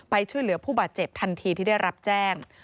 ช่วยเหลือผู้บาดเจ็บทันทีที่ได้รับแจ้ง